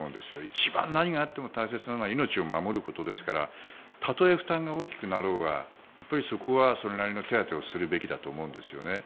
一番、何があっても大切なのは命を守ることですからたとえ負担が大きくなろうがそこはそれなりの手当をするべきだと思うんですね。